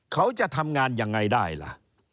เขาจะทำงานยังไงได้ล่ะ